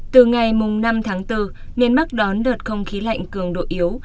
từ ngày năm tháng bốn nền mắc đón đợt không khí lạnh cường độ yếu